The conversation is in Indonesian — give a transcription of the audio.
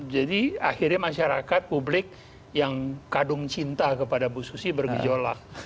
jadi akhirnya masyarakat publik yang kadung cinta kepada bu susi bergejolak